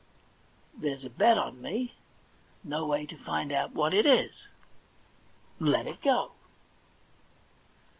There's a bet on me ; no way to find out what it is — let it go.